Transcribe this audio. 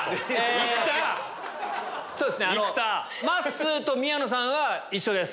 まっすーと宮野さんは一緒です。